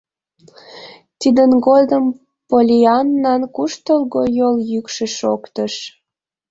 Тидын годым Поллианнан куштылго йол йӱкшӧ шоктыш.